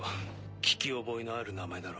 聞き覚えのある名前だろ。